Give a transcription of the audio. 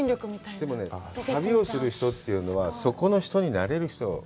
でもね、旅をする人というのは、そこの人になれる人。